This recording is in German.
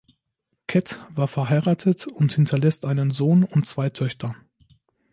Kett war verheiratet und hinterlässt einen Sohn und zwei Töchter.